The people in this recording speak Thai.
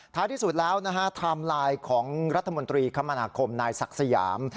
ที่สุดแล้วนะฮะไทม์ไลน์ของรัฐมนตรีคมนาคมนายศักดิ์สยาม